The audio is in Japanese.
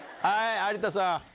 はい有田さん。